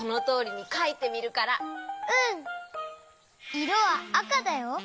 いろはあかだよ。